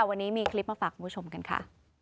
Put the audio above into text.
วันนี้มีคลิปมาฝากคุณผู้ชมกันค่ะ